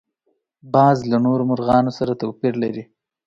باز له نورو مرغانو سره توپیر لري